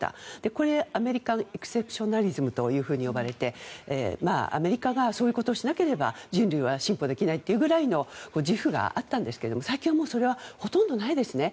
これはアメリカエクセプショナリズムといわれていて呼ばれて、アメリカがそういうことをしなければ人類は進歩できないというぐらいの自負があったんですが最近はそれはほとんどないですね。